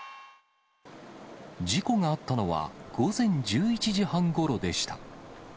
事故があったのは、午前１１時半ごろでした。